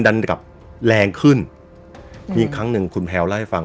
ดันกลับแรงขึ้นอีกครั้งหนึ่งคุณแพลวเล่าให้ฟัง